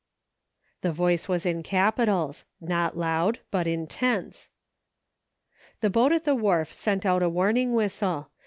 The voice was in capitals ; not loud, but Intense. The boat at the wharf sent out a warning whistle.